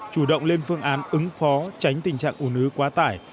chủ động lên phương án ứng phó tránh tình trạng ủ nứ quá tải